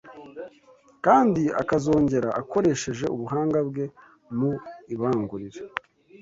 kandi akazongera akoresheje ubuhanga bwe mu ibangurira